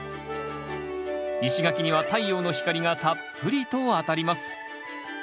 石垣には太陽の光がたっぷりと当たります。